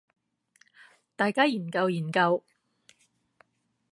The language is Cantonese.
大家研究研究